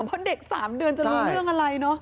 เพราะเด็กสามเดือนจะรู้เรื่องอะไรเนอะครับใช่ใช่